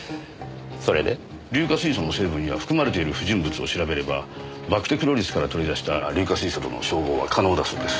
硫化水素の成分や含まれている不純物を調べればバクテクロリスから取り出した硫化水素との照合は可能だそうです。